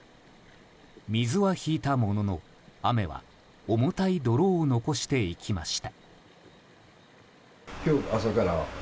水は引いたものの、雨は重たい泥を残していきました。